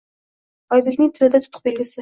Oybekning tilida tutuq belgisi.